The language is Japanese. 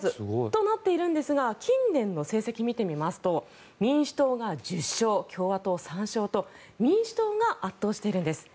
となっているんですが近年の成績を見てみますと民主党が１０勝共和党３勝と民主党が圧倒しているんです。